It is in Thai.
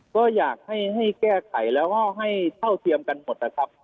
ก็อยากให้แก้ไขแล้วก็ให้เท่าเทียมกันหมดนะครับ